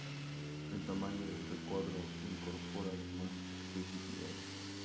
El tamaño del recuadro incorpora además expresividad.